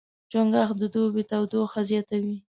چنګاښ د دوبي تودوخه زیاتوي.